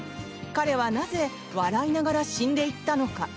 彼は、なぜ笑いながら死んでいったのか？